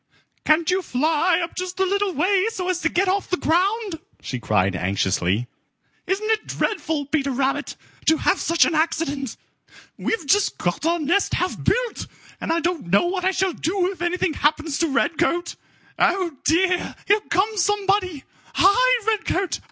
"Can't you fly up just a little way so as to get off the ground?" she cried anxiously. "Isn't it dreadful, Peter Rabbit, to have such an accident? We've just got our nest half built, and I don't know what I shall do if anything happens to Redcoat. Oh, dear, here comes somebody! Hide, Redcoat!